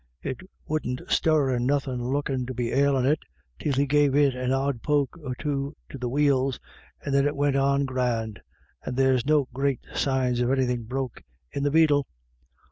It wouldn't stir, and nothin' lookin' to be ailin' it, till he gave an odd poke or so to the wheels, and then it wint on grand. And there's no great signs of anythin' broke in the beetle."